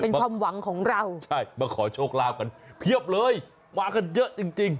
เป็นความหวังของเราใช่มาขอโชคลาภกันเพียบเลยมากันเยอะจริงจริง